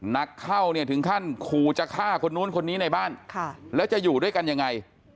นักเข้าเนี่ยถึงขั้นขู่จะฆ่าคนนู้นคนนี้ในบ้านแล้วจะอยู่ด้วยกันยังไง